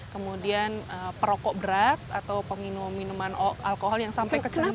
kemudian perokok berat atau minuman alkohol yang sampai kecelakaan